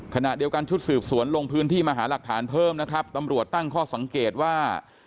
ขณะเดียวกันชุดสืบสวนลงพื้นที่มาหาหลักฐานเพิ่มนะครับตำรวจตั้งข้อสังเกตว่า